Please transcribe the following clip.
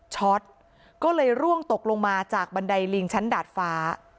ช็อตก็เลยร่วงตกลงมาจากบันไดลิงชั้นดาดฟ้า